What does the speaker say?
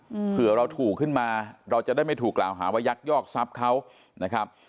อืมเผื่อเราถูกขึ้นมาเราจะได้ไม่ถูกกล่าวหาว่ายักยอกทรัพย์เขานะครับ